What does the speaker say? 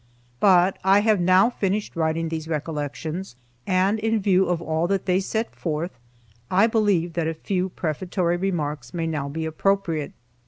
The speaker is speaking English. But I have now finished writing these recollections, and in view of all that they set forth, I believe that a few brief prefatory remarks may now be appropriate.